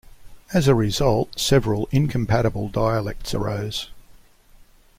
As a result, several incompatible dialects arose.